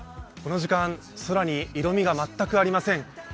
この時間、空に色味が全くありません。